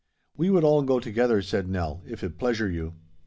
'We would all go together,' said Nell, 'if it pleasure you.